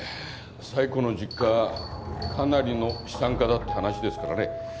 冴子の実家かなりの資産家だって話ですからね。